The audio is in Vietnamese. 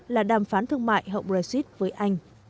là đàm phán thương mại hậu brexit với anh